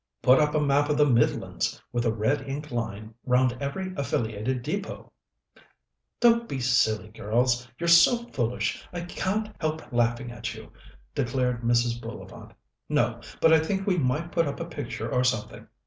"Put up a map of the Midlands, with a red ink line round every affiliated depôt." "Don't be silly, girls! You're so foolish I can't help laughing at you," declared Mrs. Bullivant. "No; but I think we might put up a picture or something.